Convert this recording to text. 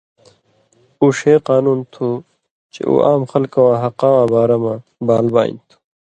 اُو ݜے قانُون تُھو چے اُو عام خلکہ واں حقہ واں بارہ مہ بال بانیۡ تُھو۔